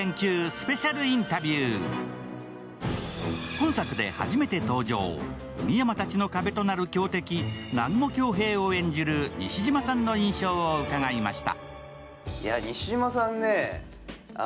今作で初めて登場、深山たちの壁となる強敵、南雲恭平を演じる西島さんの印象を伺いました。